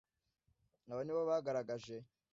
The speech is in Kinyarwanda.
aba ni bo bagaragaje